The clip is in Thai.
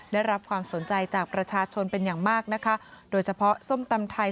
ได้รับความสนใจจากประชาชนเป็นอย่างมากนะคะโดยเฉพาะส้มตำไทย